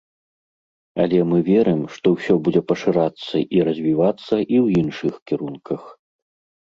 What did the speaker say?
Але мы верым, што ўсё будзе пашырацца і развівацца і ў іншых кірунках.